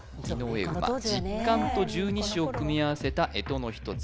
丙午十干と十二支を組み合わせた干支の一つ